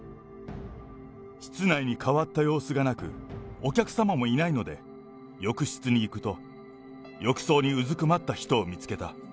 室内に変わった様子がなく、お客様もいないので浴室に行くと、浴槽にうずくまった人を見つけた。